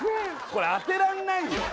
これ当てらんないよ